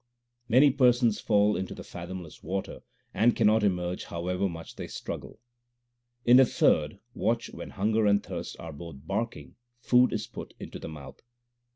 HYMNS OF GURU NANAK 287 Many persons fall into the fathomless water, and cannot emerge however much they struggle. In the third watch when hunger and thirst are both barking, food is put into the mouth.